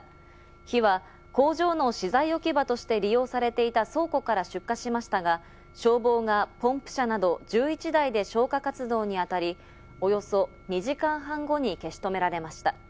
火は工場の資材置き場として利用されていた倉庫から出火しましたが、消防がポンプ車など１１台で消火活動に当たり、およそ２時間半後に消し止められました。